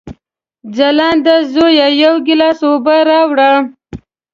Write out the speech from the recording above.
ځلانده زویه، یو ګیلاس اوبه راوړه!